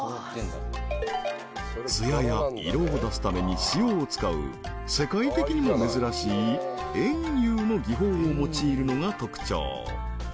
［艶や色を出すために塩を使う世界的にも珍しい塩釉の技法を用いるのが特徴］